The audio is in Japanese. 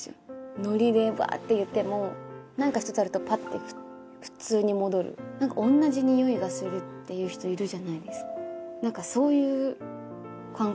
ノリでバーッて言っても何か一つあるとパッて普通に戻る同じ匂いがするっていう人いるじゃないですか何かそういう感覚？